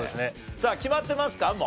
さあ決まってますか？